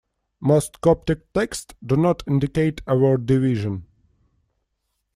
Most Coptic texts do not indicate a word division.